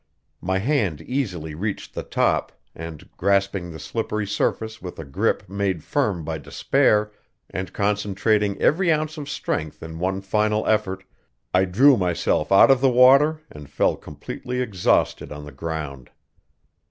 My hand easily reached the top, and, grasping the slippery surface with a grip made firm by despair, and concentrating every ounce of strength in one final effort, I drew myself out of the water and fell completely exhausted on the ground.